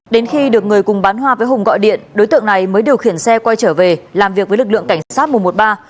đến khi được người cùng bán hoa với hùng gọi điện đối tượng này mới điều khiển xe quay trở về làm việc với lực lượng cảnh sát một trăm một mươi ba